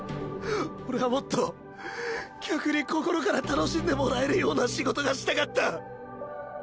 俺はもっと客に心から楽しんでもらえるような仕事がしたかった。